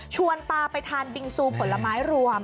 ปลาไปทานบิงซูผลไม้รวม